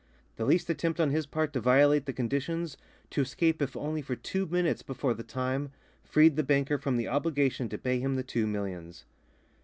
The least attempt on his part to violate the conditions, to escape if only for two minutes before the time freed the banker from the obligation to pay him the two millions.